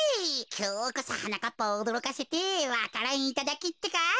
きょうこそはなかっぱをおどろかせてわか蘭いただきってか。